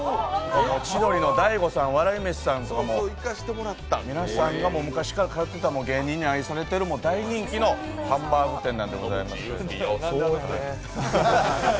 千鳥の大悟さん、笑い飯さんとかも皆さんが昔から通っていた芸人に愛されている大人気のハンバーグ店でございます。